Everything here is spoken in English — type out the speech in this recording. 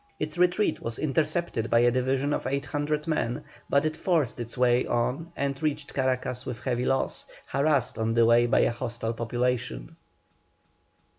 Its retreat was intercepted by a division of 800 men, but it forced its way on and reached Caracas with heavy loss, harassed on the way by a hostile population.